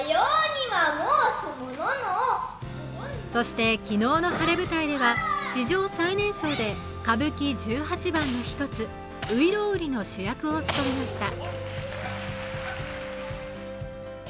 そして、昨日の晴れ舞台では史上最年少で歌舞伎十八番の１つ「外郎売」の主役を務めました。